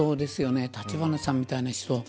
橘さんみたいな人